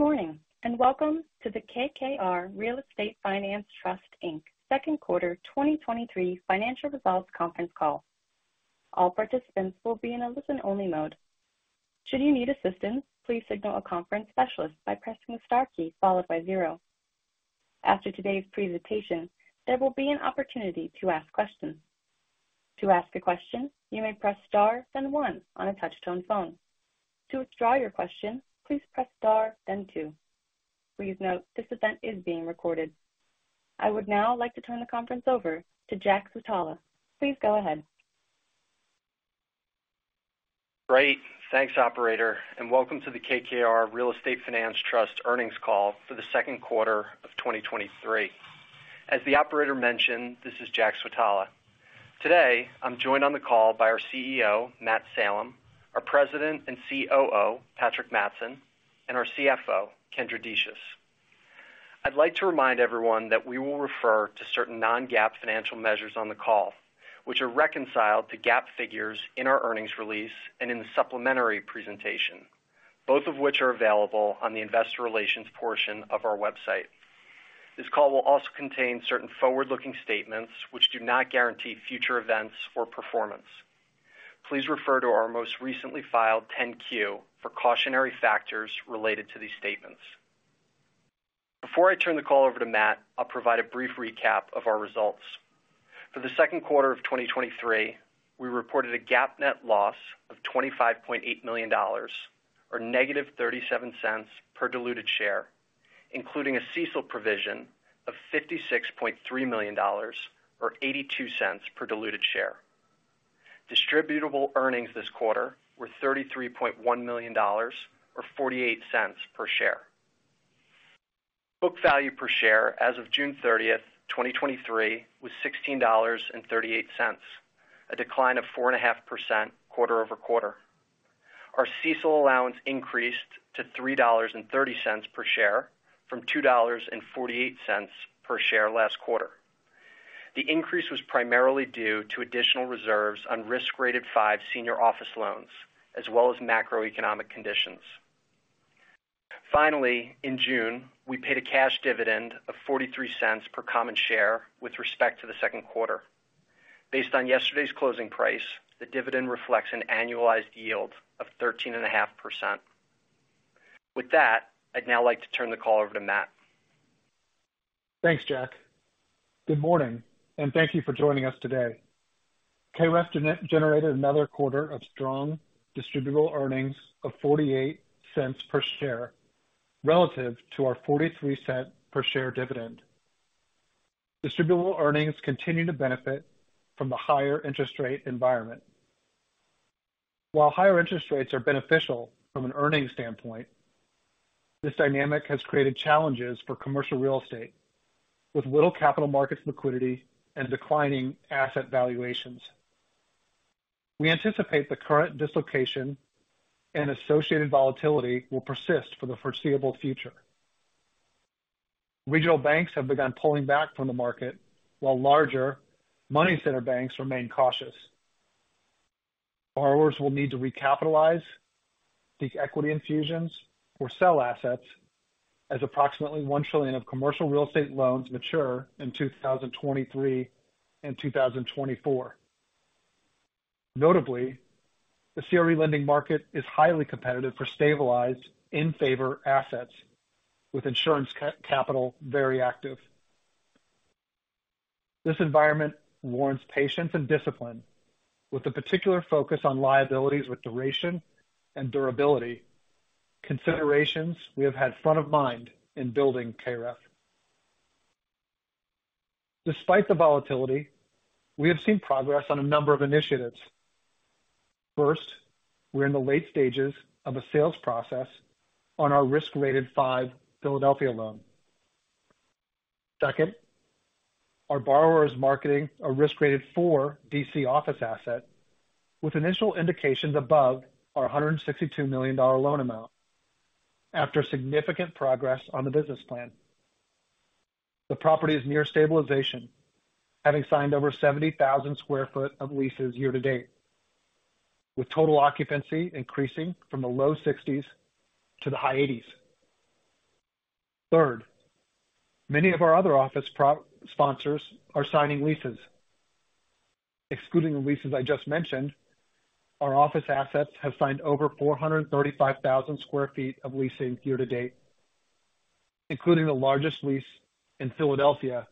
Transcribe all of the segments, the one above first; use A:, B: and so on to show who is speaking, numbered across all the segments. A: Good morning, and welcome to the KKR Real Estate Finance Trust Inc. second quarter 2023 financial results conference call. All participants will be in a listen-only mode. Should you need assistance, please signal a conference specialist by pressing the star key followed by zero. After today's presentation, there will be an opportunity to ask questions. To ask a question, you may press star, then one on a touch-tone phone. To withdraw your question, please press star, then two. Please note, this event is being recorded. I would now like to turn the conference over to Jack Switala. Please go ahead.
B: Great. Thanks, operator, welcome to the KKR Real Estate Finance Trust earnings call for the second quarter of 2023. As the operator mentioned, this is Jack Switala. Today, I'm joined on the call by our Chief Executive Officer, Matt Salem, our President and Chief Operating Officer, Patrick Mattson, and our Chief Financial Officer, Kendra Decious. I'd like to remind everyone that we will refer to certain non-GAAP financial measures on the call, which are reconciled to GAAP figures in our earnings release and in the supplementary presentation, both of which are available on the investor relations portion of our website. This call will also contain certain forward-looking statements which do not guarantee future events or performance. Please refer to our most recently filed 10-Q for cautionary factors related to these statements. Before I turn the call over to Matt, I'll provide a brief recap of our results. For the second quarter of 2023, we reported a GAAP net loss of $25.8 million, or -$0.37 per diluted share, including a CECL provision of $56.3 million or $0.82 per diluted share. Distributable earnings this quarter were $33.1 million or $0.48 per share. Book value per share as of June 30, 2023, was $16.38, a decline of 4.5% quarter-over-quarter. Our CECL allowance increased to $3.30 per share from $2.48 per share last quarter. The increase was primarily due to additional reserves on risk-rated five senior office loans, as well as macroeconomic conditions. In June, we paid a cash dividend of $0.43 per common share with respect to the second quarter. Based on yesterday's closing price, the dividend reflects an annualized yield of thirteen and a half percent. With that, I'd now like to turn the call over to Matt.
C: Thanks, Jack. Good morning. Thank you for joining us today. KREF generated another quarter of strong distributable earnings of $0.48 per share relative to our $0.43 per share dividend. Distributable earnings continue to benefit from the higher interest rate environment. While higher interest rates are beneficial from an earnings standpoint, this dynamic has created challenges for commercial real estate, with little capital markets liquidity and declining asset valuations. We anticipate the current dislocation and associated volatility will persist for the foreseeable future. Regional banks have begun pulling back from the market, while larger money center banks remain cautious. Borrowers will need to recapitalize these equity infusions or sell assets as approximately $1 trillion of commercial real estate loans mature in 2023 and 2024. Notably, the CRE lending market is highly competitive for stabilized in favor assets, with insurance capital, very active. This environment warrants patience and discipline, with a particular focus on liabilities with duration and durability, considerations we have had front of mind in building KREF. Despite the volatility, we have seen progress on a number of initiatives. First, we're in the late stages of a sales process on our risk-rated five Philadelphia loan. Second, our borrower is marketing a risk-rated four D.C. office asset, with initial indications above our $162 million loan amount. After significant progress on the business plan, the property is near stabilization, having signed over 70,000 sq ft of leases year to date, with total occupancy increasing from the low sixties to the high eighties. Third, many of our other office sponsors are signing leases. Excluding the leases I just mentioned, our office assets have signed over 435,000 sq ft of leasing year-to-date, including the largest lease in Philadelphia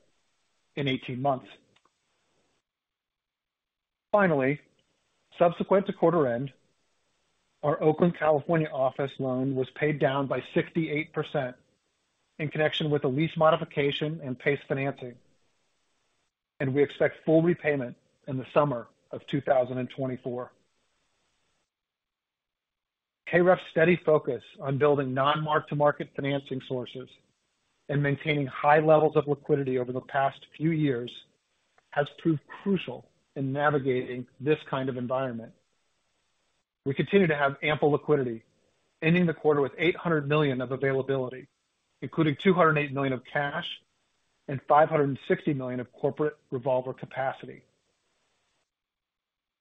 C: in 18 months. Finally, subsequent to quarter end, our Oakland, California, office loan was paid down by 68% in connection with a lease modification and PACE financing, and we expect full repayment in the summer of 2024. KREF's steady focus on building non-mark-to-market financing sources and maintaining high levels of liquidity over the past few years has proved crucial in navigating this kind of environment. We continue to have ample liquidity, ending the quarter with $800 million of availability, including $208 million of cash and $560 million of corporate revolver capacity.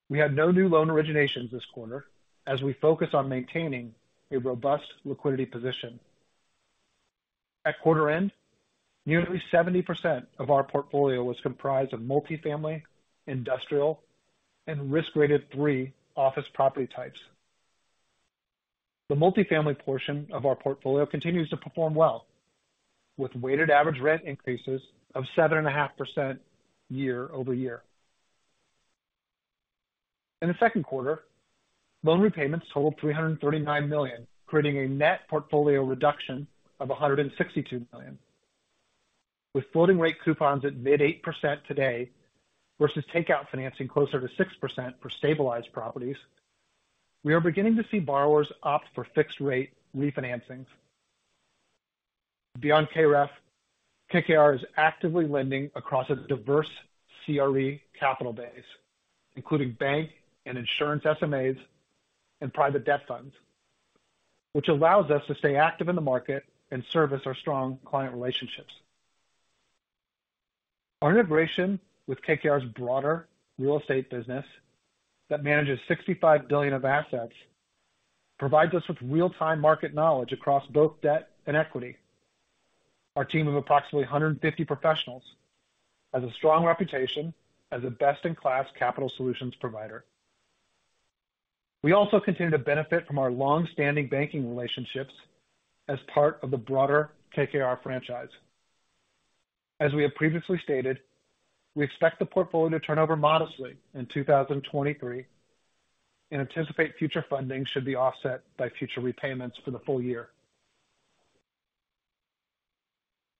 C: We had no new loan originations this quarter as we focus on maintaining a robust liquidity position. At quarter end, nearly 70% of our portfolio was comprised of multifamily, industrial, and risk-rated three office property types. The multifamily portion of our portfolio continues to perform well, with weighted average rent increases of 7.5% year-over-year. In the second quarter, loan repayments totaled $339 million, creating a net portfolio reduction of $162 million. With floating rate coupons at mid 8% today, versus takeout financing closer to 6% for stabilized properties, we are beginning to see borrowers opt for fixed rate refinancings. Beyond KREF, KKR is actively lending across a diverse CRE capital base, including bank and insurance SMAs and private debt funds, which allows us to stay active in the market and service our strong client relationships. Our integration with KKR's broader real estate business, that manages $65 billion of assets, provides us with real-time market knowledge across both debt and equity. Our team of approximately 150 professionals has a strong reputation as a best-in-class capital solutions provider. We also continue to benefit from our long-standing banking relationships as part of the broader KKR franchise. As we have previously stated, we expect the portfolio to turn over modestly in 2023, and anticipate future funding should be offset by future repayments for the full year.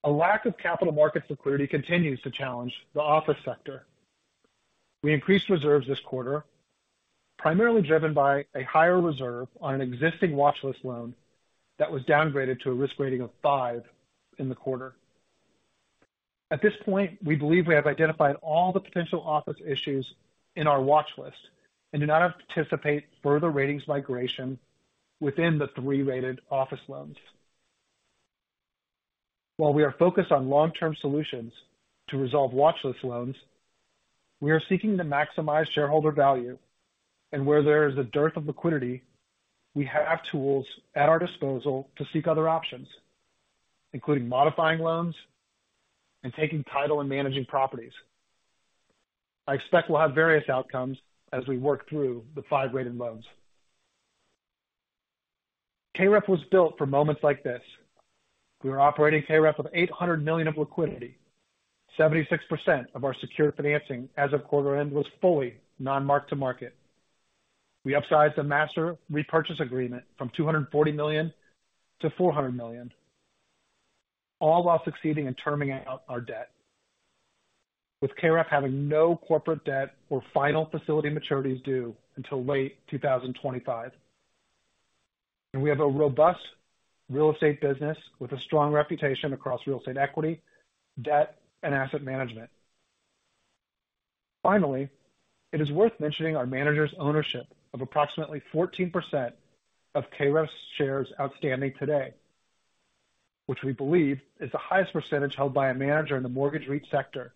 C: A lack of capital market liquidity continues to challenge the office sector. We increased reserves this quarter, primarily driven by a higher reserve on an existing watch list loan that was downgraded to a risk rating of five in the quarter. At this point, we believe we have identified all the potential office issues in our watch list and do not anticipate further ratings migration within the three rated office loans. While we are focused on long-term solutions to resolve watch list loans, we are seeking to maximize shareholder value. Where there is a dearth of liquidity, we have tools at our disposal to seek other options, including modifying loans and taking title and managing properties. I expect we'll have various outcomes as we work through the five rated loans. KREF was built for moments like this. We are operating KREF of $800 million of liquidity. 76% of our secured financing as of quarter end, was fully non-mark-to-market. We upsized the master repurchase agreement from $240 million-$400 million, all while succeeding in terming out our debt, with KREF having no corporate debt or final facility maturities due until late 2025. We have a robust real estate business with a strong reputation across real estate equity, debt, and asset management. Finally, it is worth mentioning our manager's ownership of approximately 14% of KREF's shares outstanding today, which we believe is the highest percentage held by a manager in the mortgage REIT sector,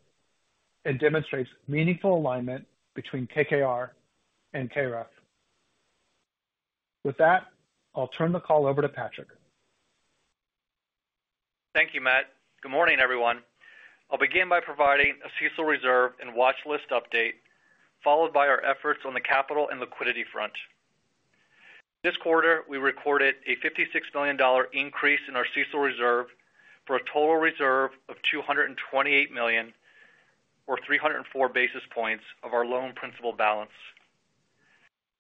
C: and demonstrates meaningful alignment between KKR and KREF. With that, I'll turn the call over to Patrick.
D: Thank you, Matt. Good morning, everyone. I'll begin by providing a CECL reserve and watchlist update, followed by our efforts on the capital and liquidity front. This quarter, we recorded a $56 million increase in our CECL reserve, for a total reserve of $228 million, or 304 basis points of our loan principal balance.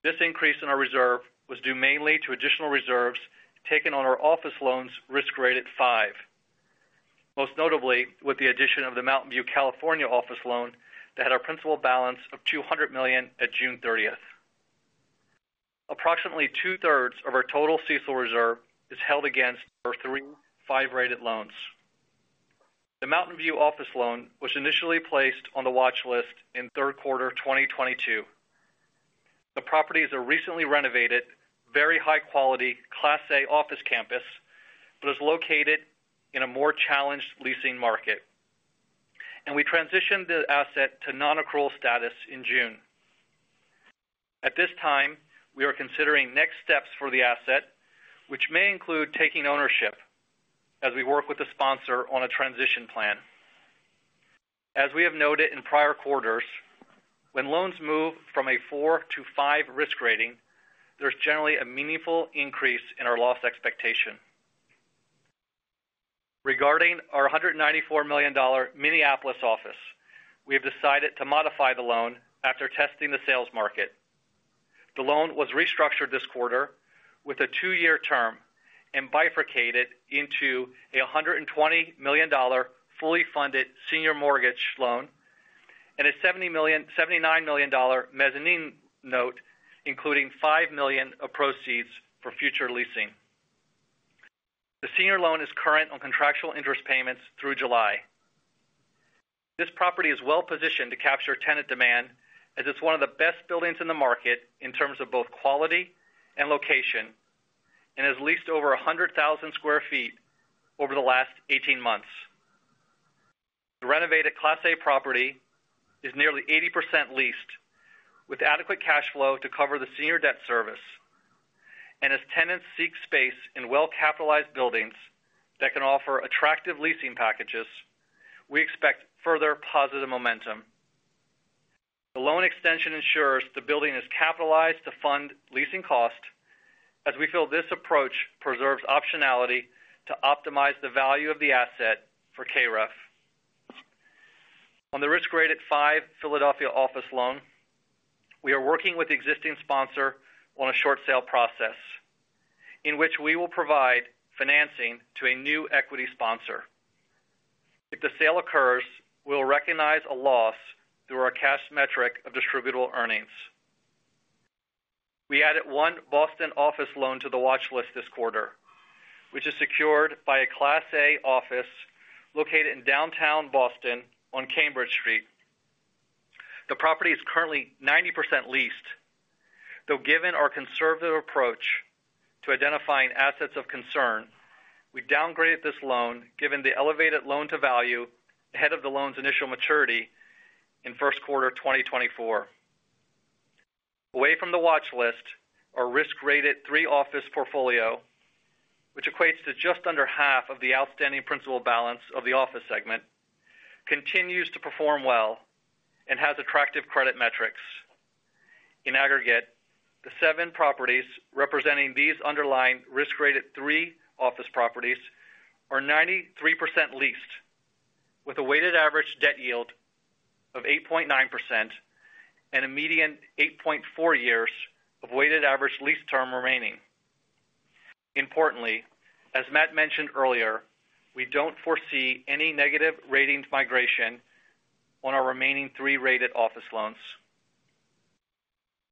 D: This increase in our reserve was due mainly to additional reserves taken on our office loans risk rated five. Most notably, with the addition of the Mountain View, California, office loan that had a principal balance of $200 million at June 30th. Approximately two-thirds of our total CECL reserve is held against our three five-rated loans. The Mountain View office loan was initially placed on the watchlist in third quarter of 2022. The property is a recently renovated, very high-quality, Class A office campus, but is located in a more challenged leasing market. We transitioned the asset to nonaccrual status in June. At this time, we are considering next steps for the asset, which may include taking ownership as we work with the sponsor on a transition plan. As we have noted in prior quarters, when loans move from a four to five risk rating, there's generally a meaningful increase in our loss expectation. Regarding our $194 million Minneapolis office, we have decided to modify the loan after testing the sales market. The loan was restructured this quarter with a two-year term and bifurcated into a $120 million fully funded senior mortgage loan, and a $79 million mezzanine note, including $5 million of proceeds for future leasing. The senior loan is current on contractual interest payments through July. This property is well positioned to capture tenant demand, as it's one of the best buildings in the market in terms of both quality and location. It has leased over 100,000 sq ft over the last 18 months. The renovated Class A property is nearly 80% leased, with adequate cash flow to cover the senior debt service. As tenants seek space in well-capitalized buildings that can offer attractive leasing packages, we expect further positive momentum. The loan extension ensures the building is capitalized to fund leasing costs, as we feel this approach preserves optionality to optimize the value of the asset for KREF. On the risk-graded five Philadelphia office loan, we are working with the existing sponsor on a short sale process, in which we will provide financing to a new equity sponsor. If the sale occurs, we'll recognize a loss through our cash metric of distributable earnings. We added one Boston office loan to the watch list this quarter, which is secured by a Class A office located in downtown Boston on Cambridge Street. The property is currently 90% leased, though given our conservative approach to identifying assets of concern, we downgraded this loan given the elevated loan-to-value ahead of the loan's initial maturity in first quarter 2024. Away from the watch list, our risk-graded three office portfolio, which equates to just under half of the outstanding principal balance of the office segment, continues to perform well and has attractive credit metrics. In aggregate, the seven properties representing these underlying risk-graded three office properties are 93% leased, with a weighted average debt yield of 8.9% and a median eight point four-years of weighted average lease term remaining. Importantly, as Matt Salem mentioned earlier, we don't foresee any negative ratings migration on our remaining three rated office loans.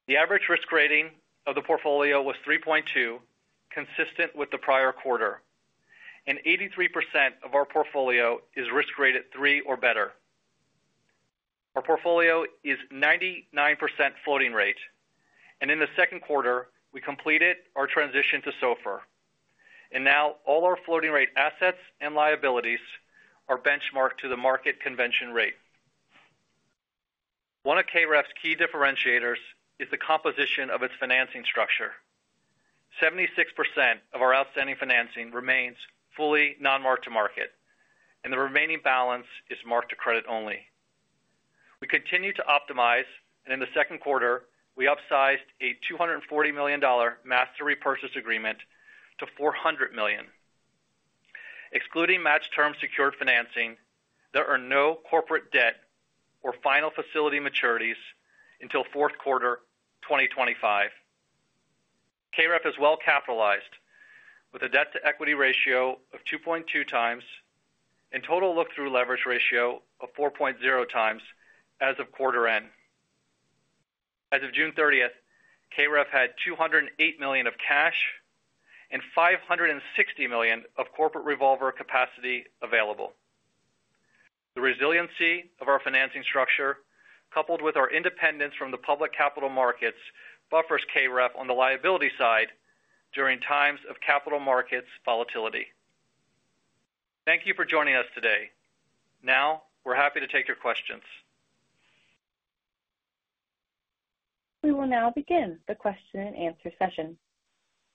D: The average risk rating of the portfolio was three point two, consistent with the prior quarter, and 83% of our portfolio is risk-graded three or better. Our portfolio is 99% floating rate, and in the second quarter, we completed our transition to SOFR, and now all our floating rate assets and liabilities are benchmarked to the market convention rate. One of KREF's key differentiators is the composition of its financing structure. 76% of our outstanding financing remains fully non-mark-to-market, and the remaining balance is mark-to-credit only. We continue to optimize, and in the second quarter, we upsized a $240 million master repurchase agreement to $400 million. Excluding match-term secured financing, there are no corporate debt or final facility maturities until fourth quarter 2025. KREF is well capitalized, with a debt-to-equity ratio of 2.2x and total look-through leverage ratio of 4.0x as of quarter-end. As of June 30th, KREF had $208 million of cash and $560 million of corporate revolver capacity available. The resiliency of our financing structure, coupled with our independence from the public capital markets, buffers KREF on the liability side during times of capital markets volatility. Thank you for joining us today. Now, we're happy to take your questions.
A: We will now begin the question-and-answer session.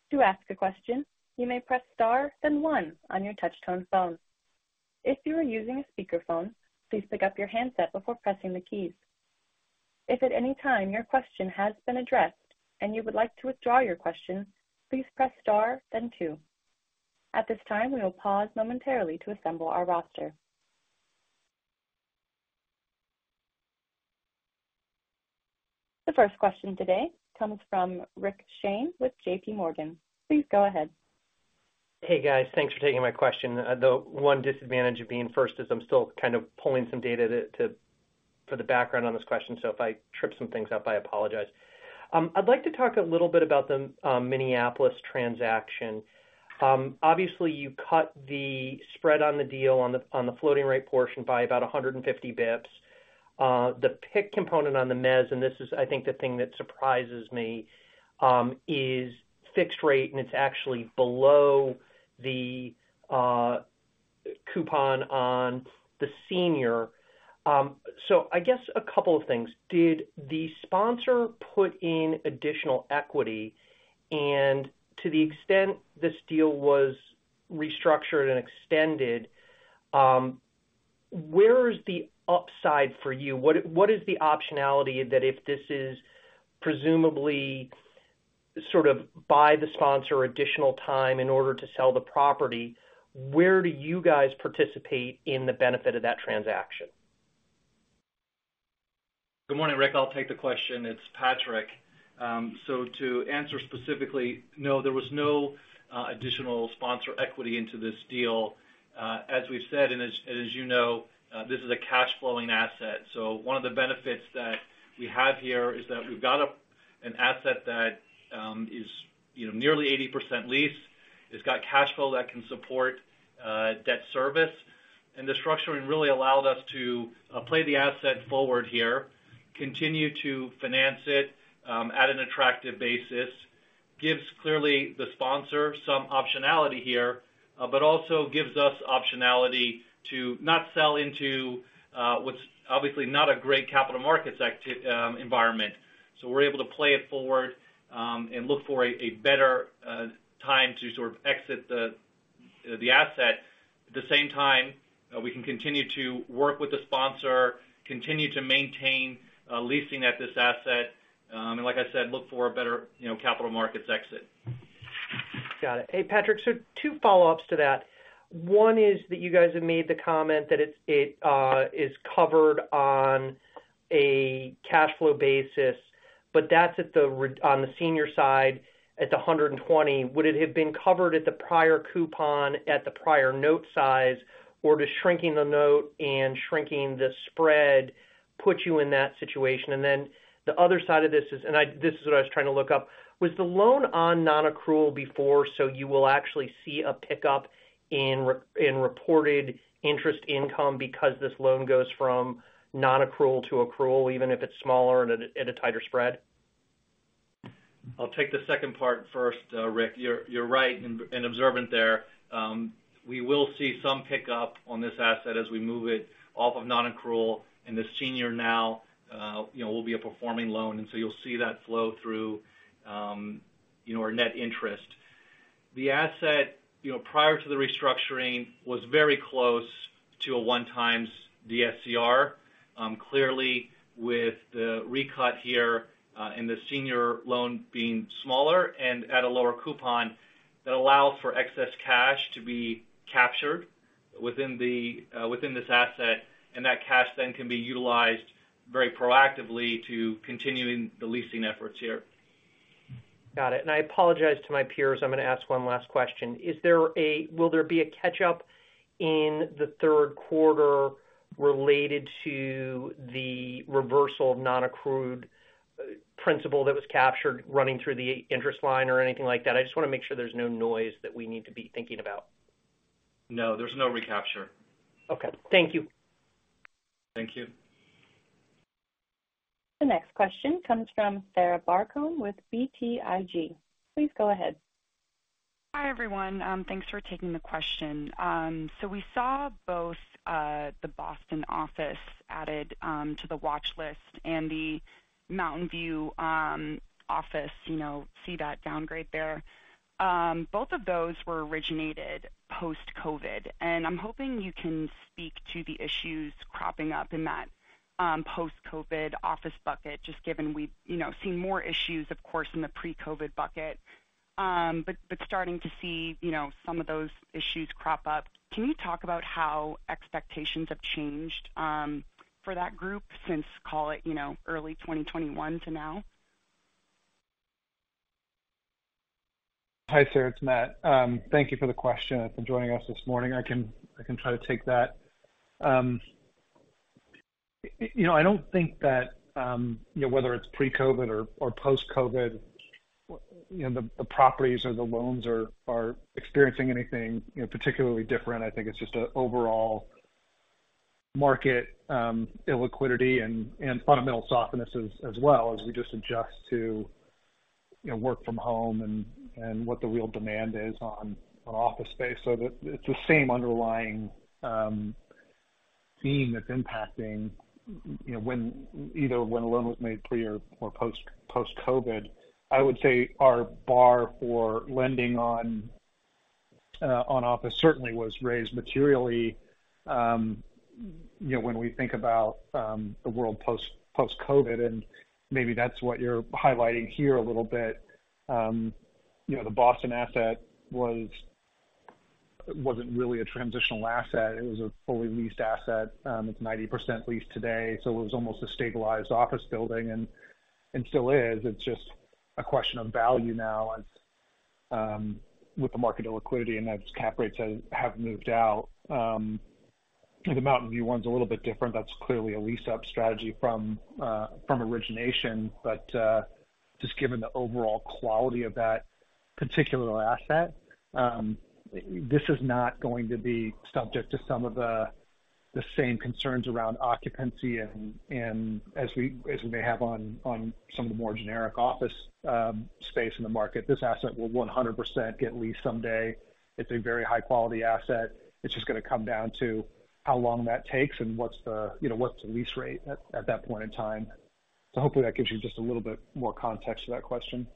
A: To ask a question, you may press star, then one on your touchtone phone. If you are using a speakerphone, please pick up your handset before pressing the keys. If at any time your question has been addressed and you would like to withdraw your question, please press star, then two. At this time, we will pause momentarily to assemble our roster. The first question today comes from Rick Shane with J.P. Morgan. Please go ahead.
E: Hey, guys. Thanks for taking my question. The one disadvantage of being first is I'm still kind of pulling some data for the background on this question. If I trip some things up, I apologize. I'd like to talk a little bit about the Minneapolis transaction. Obviously, you cut the spread on the deal on the floating rate portion by about 150 basis points. The PIK component on the mezz, and this is, I think, the thing that surprises me, is fixed rate, and it's actually below the coupon on the senior. I guess a couple of things: Did the sponsor put in additional equity? To the extent this deal was restructured and extended, where is the upside for you? What is the optionality that if this is presumably sort of by the sponsor, additional time in order to sell the property, where do you guys participate in the benefit of that transaction?
D: Good morning, Rick. I'll take the question. It's Patrick. To answer specifically, no, there was no additional sponsor equity into this deal. As we've said, and as you know, this is a cash flowing asset. One of the benefits that we have here is that we've got an asset that is, you know, nearly 80% leased. It's got cash flow that can support debt service. The structuring really allowed us to play the asset forward here, continue to finance it at an attractive basis. Gives clearly the sponsor some optionality here, but also gives us optionality to not sell into what's obviously not a great capital markets environment. So we're able to play it forward and look for a better time to sort of exit the asset. At the same time, we can continue to work with the sponsor, continue to maintain leasing at this asset, and like I said, look for a better, you know, capital markets exit.
E: Got it. Hey, Patrick, two follow-ups to that. One is that you guys have made the comment that it's, it is covered on a cash flow basis, but that's on the senior side, at the 120. Would it have been covered at the prior coupon, at the prior note size, or does shrinking the note and shrinking the spread put you in that situation? The other side of this is, this is what I was trying to look up: Was the loan on nonaccrual before, so you will actually see a pickup in reported interest income because this loan goes from nonaccrual to accrual, even if it's smaller and at a, at a tighter spread?
D: I'll take the second part first, Rick. You're right and observant there. We will see some pickup on this asset as we move it off of nonaccrual, the senior now, you know, will be a performing loan. You'll see that flow through, you know, our net interest. The asset, you know, prior to the restructuring, was very close to a one times DSCR. Clearly, with the recut here, the senior loan being smaller and at a lower coupon, that allows for excess cash to be captured within this asset. That cash then can be utilized very proactively to continuing the leasing efforts here.
E: Got it. I apologize to my peers. I'm going to ask one last question. Will there be a catch-up in the third quarter related to the reversal of nonaccrual principal that was captured running through the interest line or anything like that? I just want to make sure there's no noise that we need to be thinking about.
D: No, there's no recapture.
E: Okay. Thank you.
D: Thank you.
A: The next question comes from Sarah Barcomb with BTIG. Please go ahead.
F: Hi, everyone. Thanks for taking the question. We saw both the Boston office added to the watch list and the Mountain View office, you know, see that downgrade there. Both of those were originated post-COVID, and I'm hoping you can speak to the issues cropping up in that post-COVID office bucket, just given we've, you know, seen more issues, of course, in the pre-COVID bucket. Starting to see, you know, some of those issues crop up. Can you talk about how expectations have changed for that group since, call it, you know, early 2021 to now?
C: Hi, Sarah, it's Matt. Thank you for the question and for joining us this morning. I can try to take that. You know, I don't think that, you know, whether it's pre-COVID or post-COVID, you know, the properties or the loans are experiencing anything, you know, particularly different. I think it's just an overall market illiquidity and fundamental softness as well, as we just adjust to, you know, work from home and what the real demand is on office space. It's the same underlying theme that's impacting, you know, either when a loan was made pre or post-COVID. I would say our bar for lending on office certainly was raised materially. You know, when we think about the world post-COVID, and maybe that's what you're highlighting here a little bit. You know, the Boston asset wasn't really a transitional asset. It was a fully leased asset. It's 90% leased today, so it was almost a stabilized office building and still is. It's just a question of value now, and with the market illiquidity and as cap rates have moved out. The Mountain View one's a little bit different. That's clearly a lease-up strategy from origination, but just given the overall quality of that particular asset, this is not going to be subject to some of the same concerns around occupancy and as we may have on some of the more generic office space in the market. This asset will 100% get leased someday. It's a very high-quality asset. It's just going to come down to how long that takes and what's the, you know, what's the lease rate at that point in time. Hopefully that gives you just a little bit more context to that question.
F: Okay.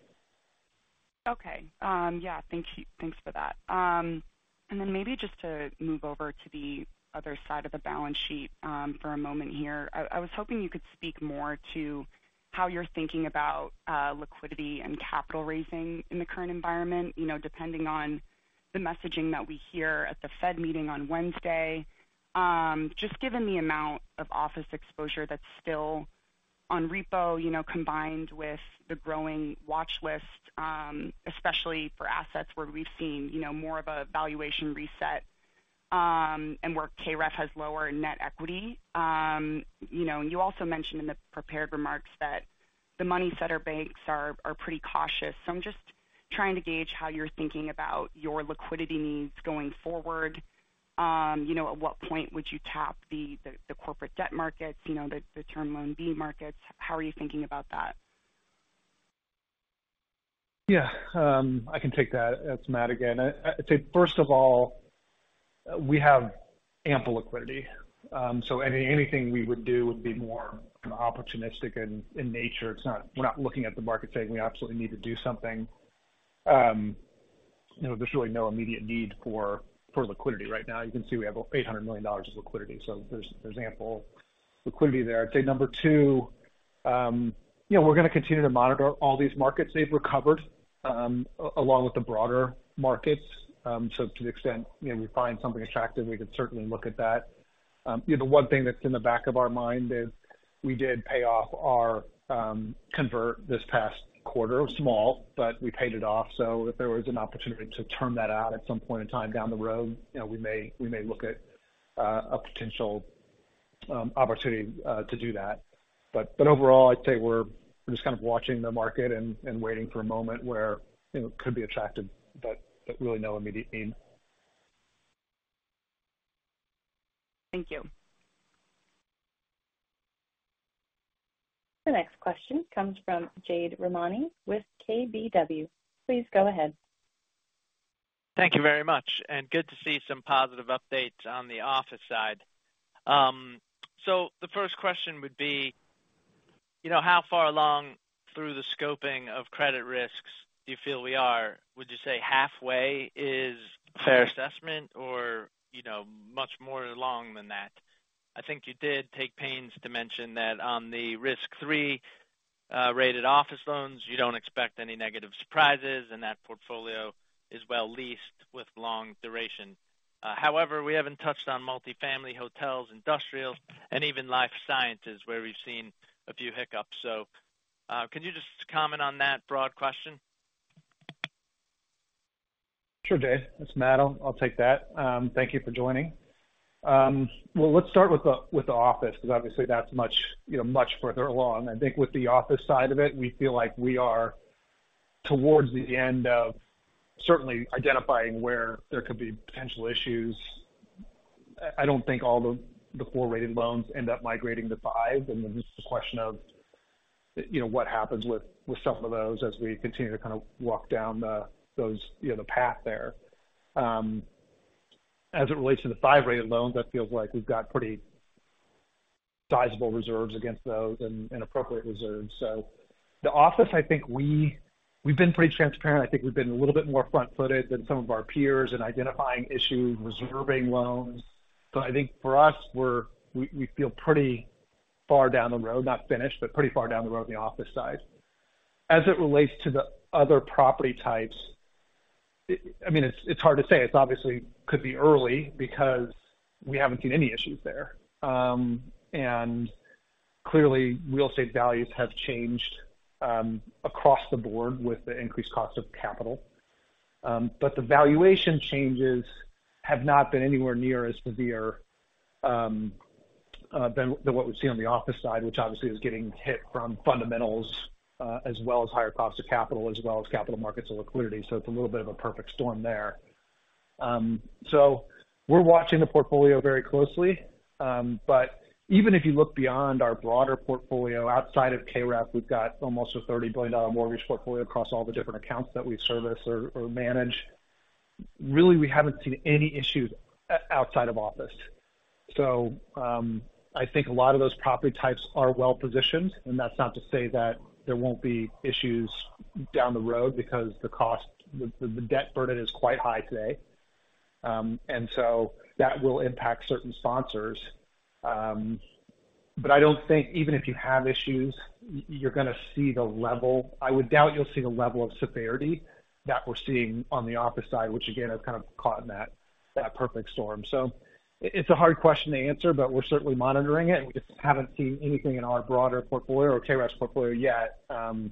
F: Yeah, thank you. Thanks for that. Then maybe just to move over to the other side of the balance sheet for a moment here. I was hoping you could speak more to how you're thinking about liquidity and capital raising in the current environment, you know, depending on the messaging that we hear at the Fed meeting on Wednesday. Just given the amount of office exposure that's still on repo, you know, combined with the growing watch list, especially for assets where we've seen, you know, more of a valuation reset, and where KREF has lower net equity. You know, and you also mentioned in the prepared remarks that the money center banks are pretty cautious. I'm just trying to gauge how you're thinking about your liquidity needs going forward. You know, at what point would you tap the corporate debt markets, you know, the term loan B markets? How are you thinking about that?
C: Yeah. I can take that. It's Matt again. I'd say, first of all, we have ample liquidity. Anything we would do would be more opportunistic in nature. We're not looking at the market saying we absolutely need to do something. You know, there's really no immediate need for liquidity right now. You can see we have $800 million of liquidity, there's ample liquidity there. I'd say number two, you know, we're going to continue to monitor all these markets. They've recovered along with the broader markets. To the extent, you know, we find something attractive, we could certainly look at that. You know, the one thing that's in the back of our mind is we did pay off our convert this past quarter. It was small, but we paid it off. If there was an opportunity to term that out at some point in time down the road, you know, we may look at a potential opportunity to do that. Overall, I'd say we're just kind of watching the market and waiting for a moment where, you know, it could be attractive, but really no immediate need.
F: Thank you.
A: The next question comes from Jade Rahmani with KBW. Please go ahead.
G: Thank you very much. Good to see some positive updates on the office side. The first question would be, you know, how far along through the scoping of credit risks do you feel we are? Would you say halfway?
C: Fair
G: Fair assessment or, you know, much more along than that? I think you did take pains to mention that on the risk three rated office loans, you don't expect any negative surprises, and that portfolio is well leased with long duration. We haven't touched on multifamily hotels, industrial, and even life sciences, where we've seen a few hiccups. Can you just comment on that broad question?
C: Sure, Jade, it's Matt. I'll take that. Thank you for joining. Well, let's start with the, with the office, because obviously that's much, you know, much further along. I think with the office side of it, we feel like we are towards the end of certainly identifying where there could be potential issues. I don't think all four-rated loans end up migrating to five, and then it's a question of, you know, what happens with some of those as we continue to kind of walk down the, those, you know, the path there. As it relates to the five-rated loans, that feels like we've got pretty sizable reserves against those and appropriate reserves. The office, I think we've been pretty transparent. I think we've been a little bit more front-footed than some of our peers in identifying issues, reserving loans. I think for us, we feel pretty far down the road, not finished, but pretty far down the road on the office side. As it relates to the other property types, I mean, it's hard to say. It's obviously could be early because we haven't seen any issues there. Clearly, real estate values have changed across the board with the increased cost of capital. The valuation changes have not been anywhere near as severe than what we've seen on the office side, which obviously is getting hit from fundamentals, as well as higher costs of capital, as well as capital markets and liquidity. It's a little bit of a perfect storm there. We're watching the portfolio very closely. Even if you look beyond our broader portfolio, outside of KREF, we've got almost a $30 billion mortgage portfolio across all the different accounts that we service or manage. Really, we haven't seen any issues outside of office. I think a lot of those property types are well-positioned, and that's not to say that there won't be issues down the road because the debt burden is quite high today. That will impact certain sponsors. But I don't think even if you have issues, you're going to see the level. I would doubt you'll see the level of severity that we're seeing on the office side, which again, has kind of caught in that perfect storm. It's a hard question to answer, but we're certainly monitoring it, and we just haven't seen anything in our broader portfolio or KREF's portfolio yet, on,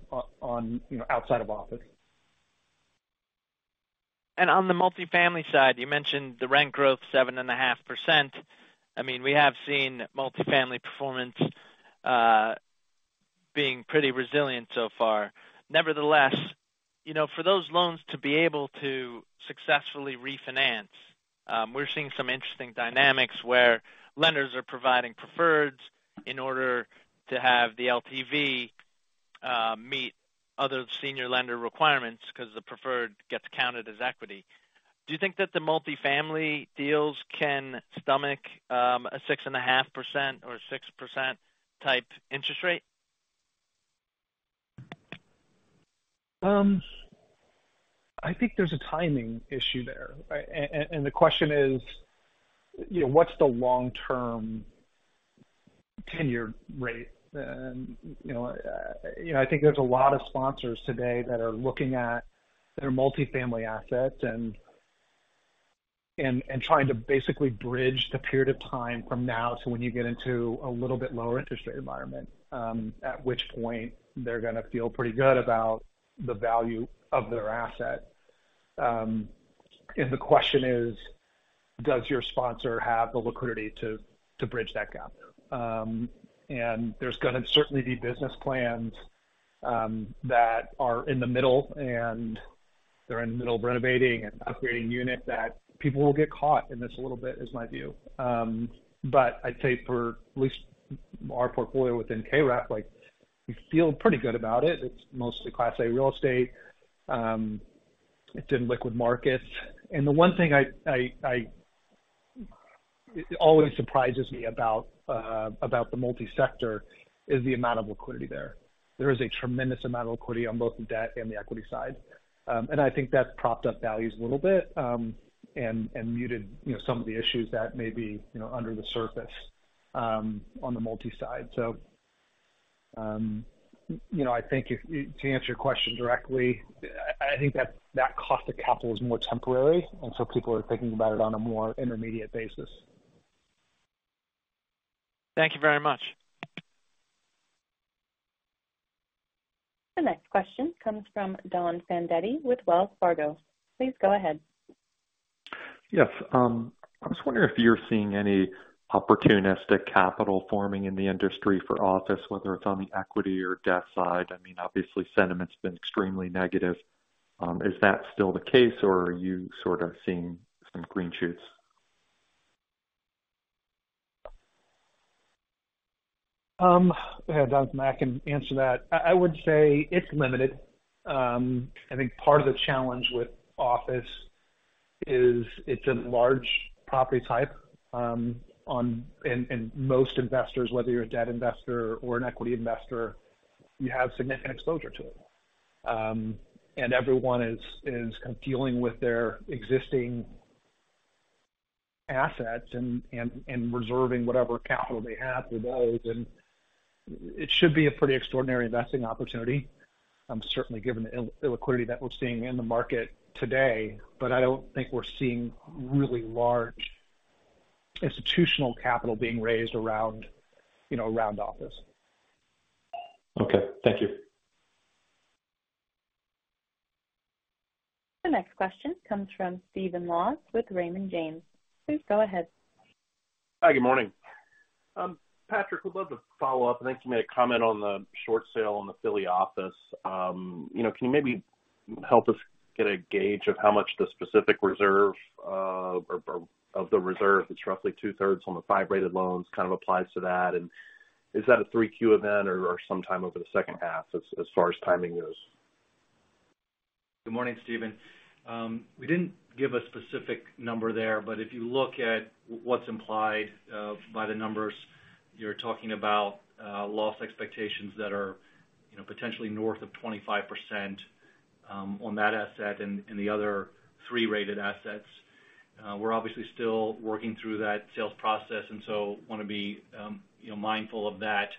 C: you know, outside of office.
G: On the multifamily side, you mentioned the rent growth, 7.5%. I mean, we have seen multifamily performance being pretty resilient so far. Nevertheless, you know, for those loans to be able to successfully refinance, we're seeing some interesting dynamics where lenders are providing preferreds in order to have the LTV meet other senior lender requirements because the preferred gets counted as equity. Do you think that the multifamily deals can stomach a 6.5% or 6% type interest rate?
C: I think there's a timing issue there. The question is, what's the long-term tenured rate? I think there's a lot of sponsors today that are looking at their multifamily assets and trying to basically bridge the period of time from now to when you get into a little bit lower interest rate environment, at which point they're going to feel pretty good about the value of their asset. The question is: Does your sponsor have the liquidity to bridge that gap? There's going to certainly be business plans that are in the middle, and they're in the middle of renovating and upgrading units, that people will get caught in this a little bit, is my view. I'd say for at least our portfolio within KREF, like, we feel pretty good about it. It's mostly Class A real estate. It's in liquid markets. The one thing I, it always surprises me about the multi-sector is the amount of liquidity there. There is a tremendous amount of liquidity on both the debt and the equity side. I think that's propped up values a little bit, and muted, you know, some of the issues that may be, you know, under the surface on the multi side. You know, I think to answer your question directly, I think that cost of capital is more temporary, so people are thinking about it on a more intermediate basis.
G: Thank you very much.
A: The next question comes from Don Fandetti with Wells Fargo. Please go ahead.
H: Yes, I was wondering if you're seeing any opportunistic capital forming in the industry for office, whether it's on the equity or debt side? I mean, obviously, sentiment's been extremely negative. Is that still the case, or are you sort of seeing some green shoots?
C: Go ahead, Don, I can answer that. I would say it's limited. I think part of the challenge with office is it's a large property type. Most investors, whether you're a debt investor or an equity investor, you have significant exposure to it. Everyone is kind of dealing with their existing assets and reserving whatever capital they have with those. It should be a pretty extraordinary investing opportunity, certainly given the illiquidity that we're seeing in the market today. I don't think we're seeing really large institutional capital being raised around, you know, around office.
H: Okay. Thank you.
A: The next question comes from Stephen Laws with Raymond James. Please go ahead.
I: Hi, good morning. Patrick, would love to follow up. I think you made a comment on the short sale on the Philly office. You know, can you maybe help us get a gauge of how much the specific reserve, or of the reserve, it's roughly two-thirds on the five rated loans, kind of applies to that? Is that a 3Q event or sometime over the second half as far as timing goes?
D: Good morning, Stephen Laws. We didn't give a specific number there, but if you look at what's implied by the numbers, you're talking about loss expectations that are, you know, potentially north of 25% on that asset and the other three rated assets. We're obviously still working through that sales process, and so want to be, you know, mindful of that.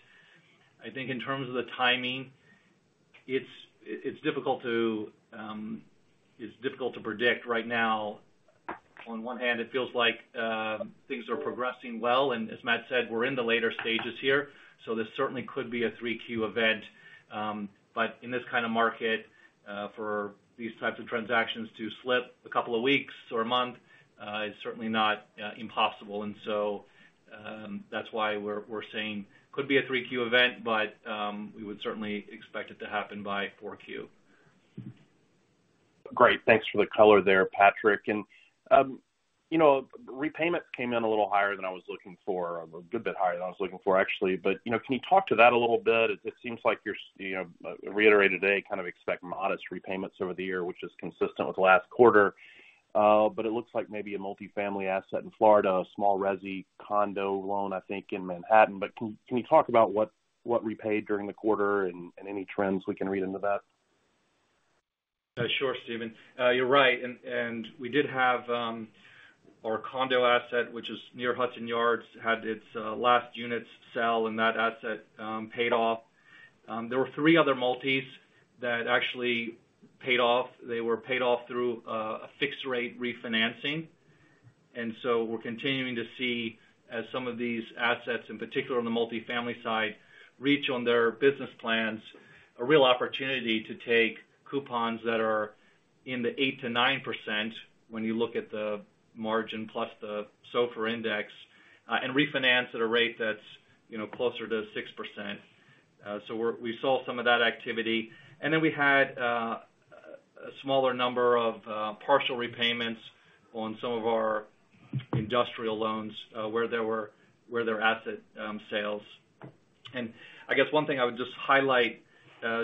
D: I think in terms of the timing, it's difficult to, it's difficult to predict right now. On one hand, it feels like things are progressing well, and as Matt Salem said, we're in the later stages here, so this certainly could be a 3Q event. But in this kind of market, for these types of transactions to slip a couple of weeks or a month, is certainly not impossible. That's why we're saying could be a 3Q event, we would certainly expect it to happen by 4Q.
I: Great. Thanks for the color there, Patrick. You know, repayments came in a little higher than I was looking for, a good bit higher than I was looking for, actually. You know, can you talk to that a little bit? It seems like you're, you know, reiterated today, kind of expect modest repayments over the year, which is consistent with last quarter. It looks like maybe a multifamily asset in Florida, a small resi condo loan, I think, in Manhattan. Can you talk about what repaid during the quarter and any trends we can read into that?
D: Sure, Stephen. You're right, and we did have our condo asset, which is near Hudson Yards, had its last units sell, and that asset paid off. There were three other multis that actually paid off. They were paid off through a fixed rate refinancing. We're continuing to see, as some of these assets, in particular on the multifamily side, reach on their business plans, a real opportunity to take coupons that are in the 8%-9% when you look at the margin plus the SOFR index, and refinance at a rate that's, you know, closer to 6%. We saw some of that activity. We had a smaller number of partial repayments on some of our industrial loans, where there were asset sales. I guess one thing I would just highlight,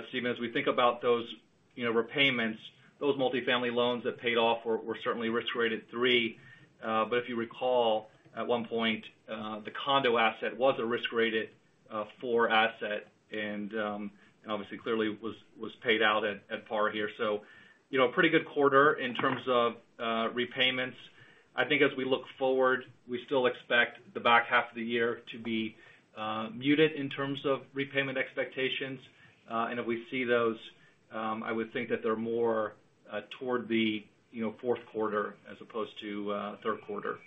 D: Stephen Laws, as we think about those, you know, repayments, those multifamily loans that paid off were certainly risk rated 3. If you recall, at one point, the condo asset was a risk rated four asset and obviously clearly was paid out at par here. You know, a pretty good quarter in terms of repayments. I think as we look forward, we still expect the back half of the year to be muted in terms of repayment expectations. If we see those, I would think that they're more toward the, you know, fourth quarter as opposed to third quarter.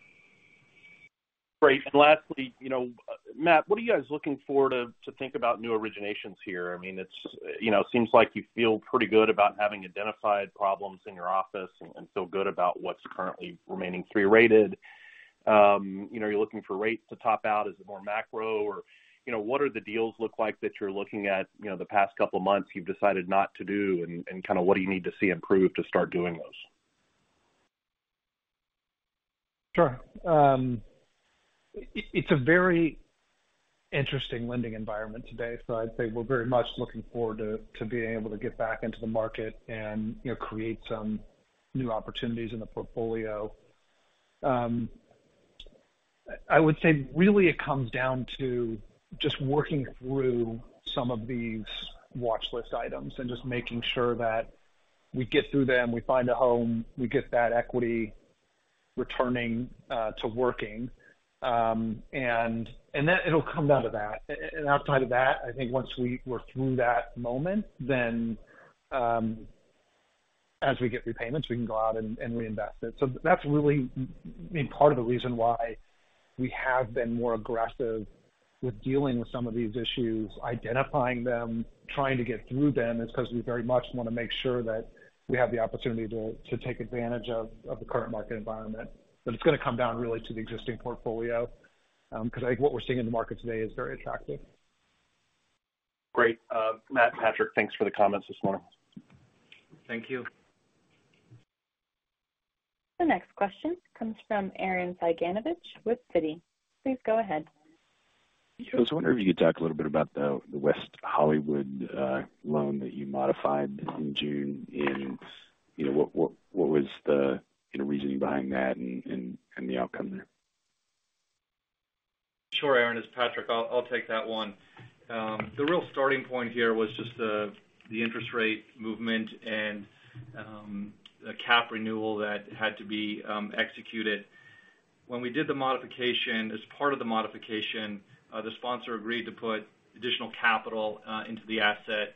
I: Great. Lastly, you know, Matt, what are you guys looking for to think about new originations here? I mean, it's, you know, seems like you feel pretty good about having identified problems in your office and feel good about what's currently remaining three rated. You know, are you looking for rates to top out? Is it more macro or, you know, what are the deals look like that you're looking at, you know, the past couple of months you've decided not to do, and kind of what do you need to see improve to start doing those?
C: Sure. It's a very interesting lending environment today. I'd say we're very much looking forward to being able to get back into the market and, you know, create some new opportunities in the portfolio. I would say, really, it comes down to just working through some of these watchlist items and just making sure that we get through them, we find a home, we get that equity returning to working. And then it'll come down to that. Outside of that, I think once we're through that moment, then, as we get repayments, we can go out and reinvest it. That's really, I mean, part of the reason why we have been more aggressive with dealing with some of these issues, identifying them, trying to get through them, is because we very much want to make sure that we have the opportunity to take advantage of the current market environment. It's going to come down really to the existing portfolio, because I think what we're seeing in the market today is very attractive.
I: Great. Matt, Patrick, thanks for the comments this morning.
D: Thank you.
A: The next question comes from Arren Cyganovich with Citi. Please go ahead.
J: Yeah. I was wondering if you could talk a little bit about the West Hollywood loan that you modified in June, and, you know, what was the, you know, reasoning behind that and the outcome there?
D: Sure, Arren, it's Patrick. I'll take that one. The real starting point here was just the interest rate movement and a cap renewal that had to be executed. When we did the modification, as part of the modification, the sponsor agreed to put additional capital into the asset.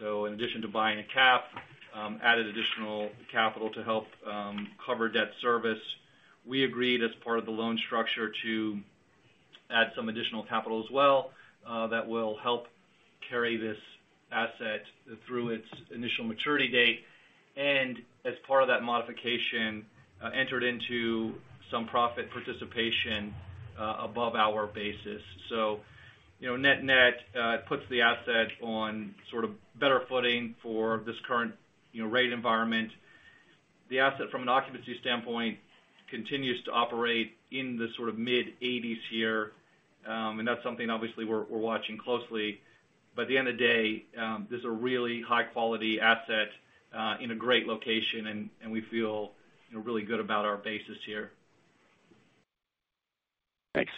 D: In addition to buying a cap, added additional capital to help cover debt service. We agreed, as part of the loan structure, to add some additional capital as well that will help carry this asset through its initial maturity date. As part of that modification, entered into some profit participation above our basis. You know, net-net, it puts the asset on sort of better footing for this current, you know, rate environment. The asset, from an occupancy standpoint, continues to operate in the sort of mid-eighties here. That's something obviously we're watching closely. By the end of the day, this is a really high-quality asset in a great location, and we feel, you know, really good about our basis here.
J: Thanks.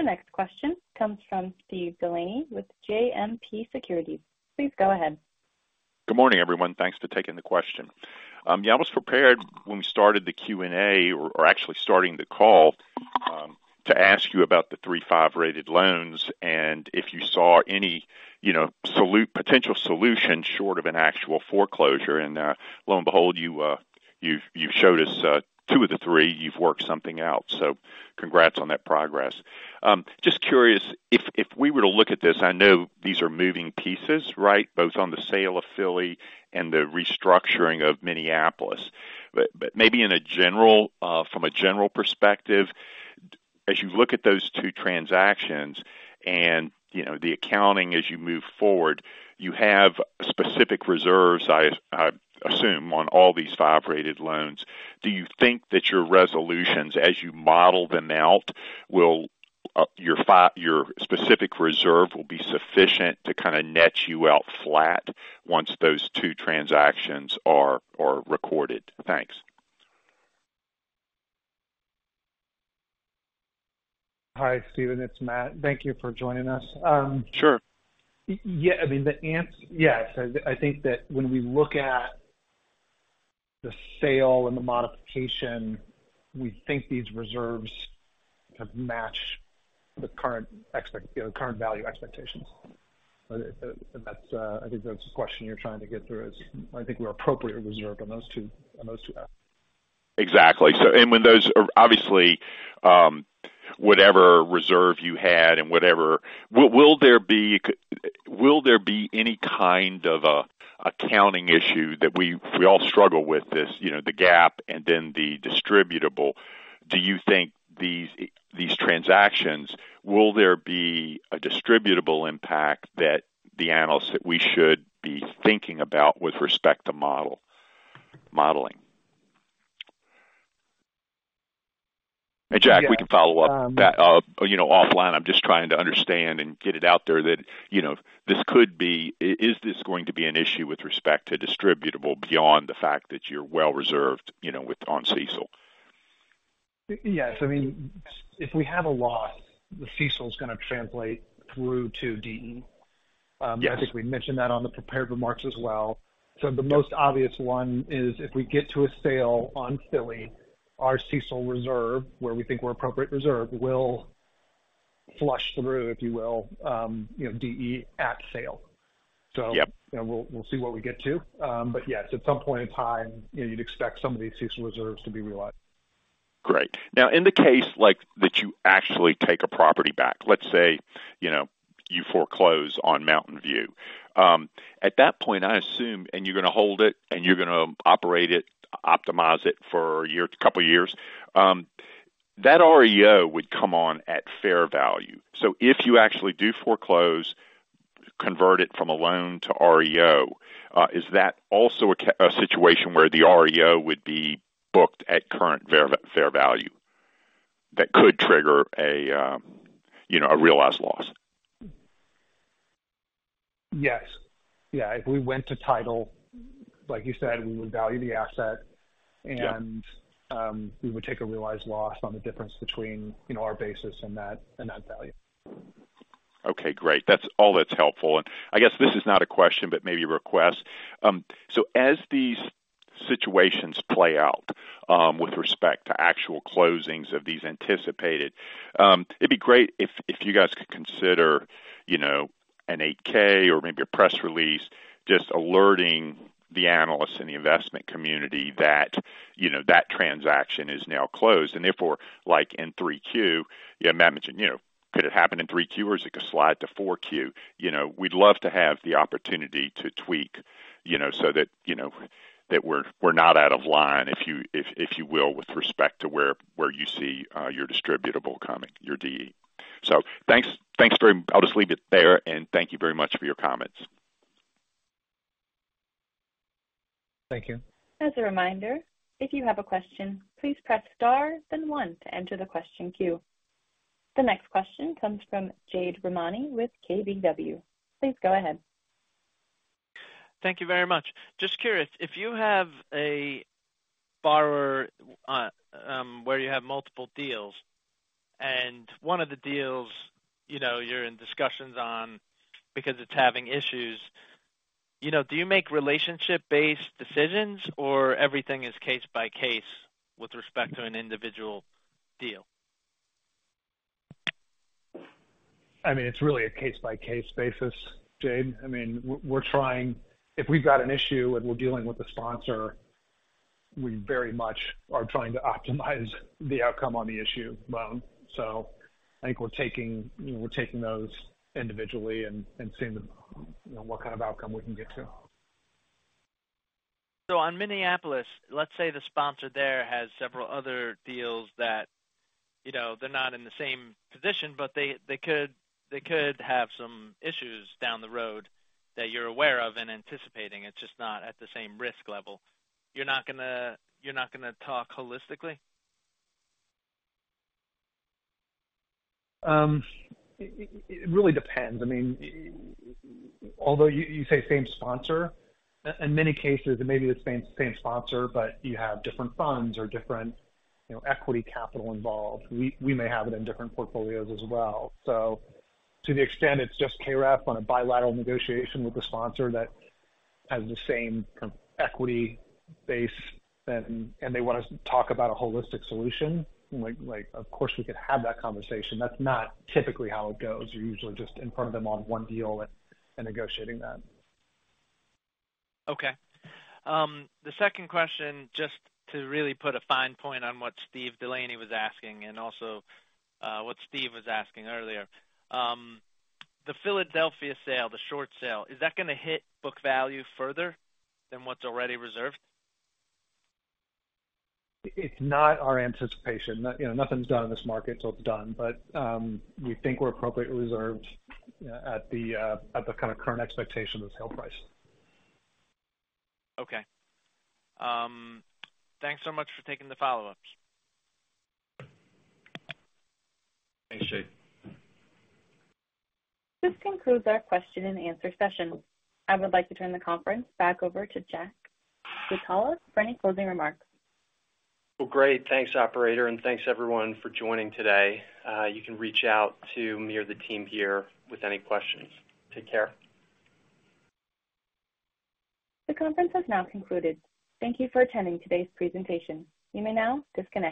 A: The next question comes from Steve DeLaney with JMP Securities. Please go ahead.
K: Good morning, everyone. Thanks for taking the question. Yeah, I was prepared when we started the Q&A, or actually starting the call, to ask you about the three to five rated loans and if you saw any, you know, potential solution short of an actual foreclosure. Lo and behold, you showed us two of the three. You've worked something out, so congrats on that progress. Just curious, if we were to look at this, I know these are moving pieces, right? Both on the sale of Philly and the restructuring of Minneapolis. Maybe in a general from a general perspective, as you look at those two transactions and, you know, the accounting as you move forward, you have specific reserves, I assume, on all these five rated loans. Do you think that your resolutions, as you model them out, will your specific reserve will be sufficient to kind of net you out flat once those two transactions are recorded? Thanks.
C: Hi, Steve, it's Matt. Thank you for joining us.
K: Sure.
C: Yeah, I mean, yes, I think that when we look at the sale and the modification, we think these reserves kind of match the current you know, current value expectations. That's, I think that's the question you're trying to get through is, I think we're appropriately reserved on those two.
K: Exactly. when those are. Obviously, whatever reserve you had and whatever, will there be, will there be any kind of a counting issue that we all struggle with this, you know, the GAAP and then the distributable. Do you think these transactions, will there be a distributable impact that the analysts, that we should be thinking about with respect to modeling? Jack, we can follow up, you know, offline. I'm just trying to understand and get it out there that, you know, this could be... Is this going to be an issue with respect to distributable beyond the fact that you're well reserved, you know, on CECL?
C: Yes. I mean, if we have a loss, the CECL is going to translate through to DE.
K: Yes.
C: I think we mentioned that on the prepared remarks as well. The most obvious one is, if we get to a sale on Philly, our CECL reserve, where we think we're appropriate reserved, will flush through, if you will, you know, DE at sale.
K: Yep.
C: you know, we'll see what we get to. Yes, at some point in time, you'd expect some of these CECL reserves to be realized.
K: Great. Now, in the case like that, you actually take a property back. Let's say, you know, you foreclose on Mountain View. At that point, I assume, and you're going to hold it and you're going to operate it, optimize it for a year, a couple of years. That REO would come on at fair value. If you actually do foreclose, convert it from a loan to REO, is that also a situation where the REO would be booked at current fair value that could trigger a, you know, a realized loss?
C: Yes. Yeah, if we went to title, like you said, we would value the asset-
K: Yeah.
C: We would take a realized loss on the difference between, you know, our basis and that value.
K: Okay, great. That's all that's helpful. I guess this is not a question, but maybe a request. As these situations play out, with respect to actual closings of these anticipated, it'd be great if you guys could consider, you know, an 8-K or maybe a press release, just alerting the analysts and the investment community that, you know, that transaction is now closed. Therefore, like in three Q, you have imagine, you know, could it happen in three Q or is it could slide to four Q? You know, we'd love to have the opportunity to tweak, you know, so that, you know, that we're not out of line, if you, if you will, with respect to where you see your distributable coming, your DE. Thanks. Thanks very much. I'll just leave it there. Thank you very much for your comments.
C: Thank you.
A: As a reminder, if you have a question, please press star then one to enter the question queue. The next question comes from Jade Rahmani with KBW. Please go ahead.
G: Thank you very much. Just curious, if you have a borrower, where you have multiple deals and one of the deals, you know, you're in discussions on because it's having issues, you know, do you make relationship-based decisions or everything is case by case with respect to an individual deal?
C: I mean, it's really a case-by-case basis, Jade. I mean, we're trying. If we've got an issue and we're dealing with a sponsor, we very much are trying to optimize the outcome on the issue loan. I think we're taking those individually and seeing the, you know, what kind of outcome we can get to.
G: On Minneapolis, let's say the sponsor there has several other deals that, you know, they're not in the same position, but they could have some issues down the road that you're aware of and anticipating. It's just not at the same risk level. You're not gonna talk holistically?
C: It really depends. I mean, although you say same sponsor, in many cases, it may be the same sponsor, you have different funds or different, you know, equity capital involved. We may have it in different portfolios as well. To the extent it's just KREF on a bilateral negotiation with the sponsor that has the same kind of equity base, then, they want to talk about a holistic solution, like, of course, we could have that conversation. That's not typically how it goes. You're usually just in front of them on one deal and negotiating that.
G: Okay. The second question, just to really put a fine point on what Steve DeLaney was asking and also, what Steve was asking earlier. The Philadelphia sale, the short sale, is that going to hit book value further than what's already reserved?
C: It's not our anticipation. You know, nothing's done in this market until it's done. We think we're appropriately reserved at the kind of current expectation of the sale price.
G: Okay. Thanks so much for taking the follow-ups.
C: Thanks, Jade.
A: This concludes our question and answer session. I would like to turn the conference back over to Jack Switala for any closing remarks.
B: Well, great. Thanks, operator, and thanks everyone for joining today. You can reach out to me or the team here with any questions. Take care.
A: The conference has now concluded. Thank you for attending today's presentation. You may now disconnect.